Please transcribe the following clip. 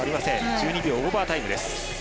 １２秒オーバータイムです。